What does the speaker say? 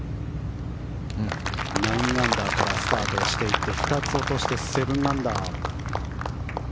９アンダーからスタートして２つ落として７アンダー。